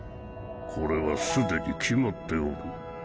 これは既に決まっておる。